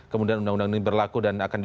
kemudian undang undang ini berlaku